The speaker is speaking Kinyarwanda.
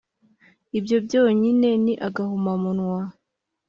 ibyo byonyine ni agahomamunwa